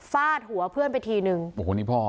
ฟาดหัวเพื่อนไปทีนึงโอ้โหนี่พ่อ